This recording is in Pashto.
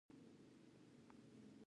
پسه د افغانانو د تفریح لپاره یوه وسیله ده.